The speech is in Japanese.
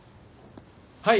はい。